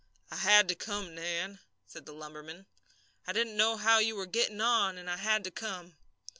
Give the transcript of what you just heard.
"I had to come, Nan," said the lumberman. "I didn't know how you were getting on, and I had to come."